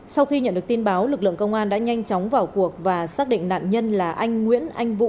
sau khi nhận được tin báo lực lượng công an đã nhanh chóng vào cuộc và xác định nạn nhân là anh nguyễn anh vũ